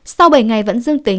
sau bảy ngày vẫn dương tính